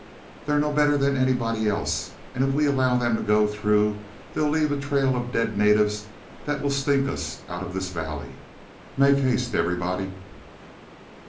They're no better than anybody else, and if we allow them to go through, they'll leave a trail of dead natives that will stink us out of this valley. Make haste, everybody."